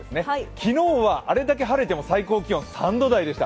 昨日はあれだけ晴れても最高気温３度台でした。